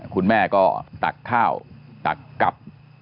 คุณแม่ก็ตักข้าวตักกลับ